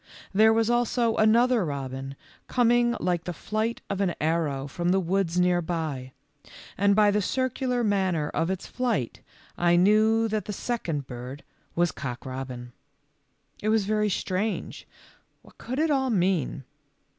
There was also another robin coming like the flight of an arrow from the woods nearby, and by the cir cular manner of its flight I knew that the second bird was Cock robin. It was very strange. What could it all mean?